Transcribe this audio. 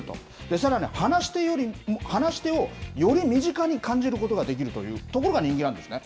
さらに話し手を、より身近に感じることができるというところが人気なんですね。